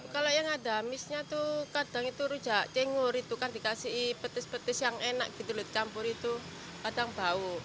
kalau yang ada amisnya itu kadang itu rujak jengur itu kan dikasih petis petis yang enak gitu loh campur itu kadang bau